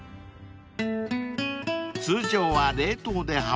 ［通常は冷凍で販売］